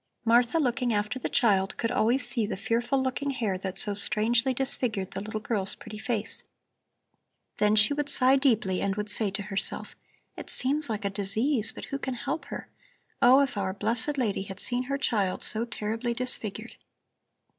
Martha, looking after the child, could always see the fearful looking hair that so strangely disfigured the little girl's pretty face. Then she would sigh deeply and would say to herself: It seems like a disease, but who can help her? Oh, if our blessed lady had seen her child so terribly disfigured!